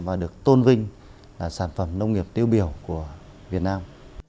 và được tôn vinh là sản phẩm nông nghiệp tiêu biểu của việt nam